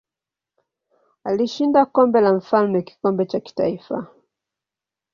Alishinda Kombe la Mfalme kikombe cha kitaifa.